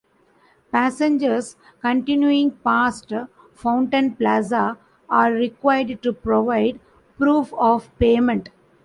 Passengers continuing past Fountain Plaza are required to provide proof-of-payment.